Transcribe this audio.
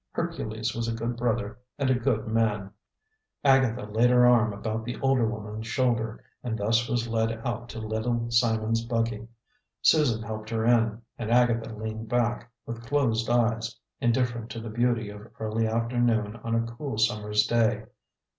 "Hercules was a good brother and a good man!" Agatha laid her arm about the older woman's shoulder, and thus was led out to Little Simon's buggy. Susan helped her in, and Agatha leaned back, with closed eyes, indifferent to the beauty of early afternoon on a cool summer's day.